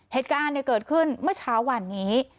เหตุการณ์เกิดขึ้นเมื่อเช้าวันนี้